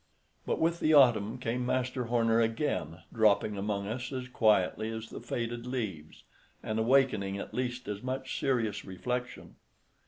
But with the autumn came Master Horner again, dropping among us as quietly as the faded leaves, and awakening at least as much serious reflection.